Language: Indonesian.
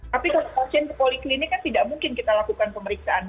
tapi kalau pasien ke poliklinik kan tidak mungkin kita lakukan pemeriksaan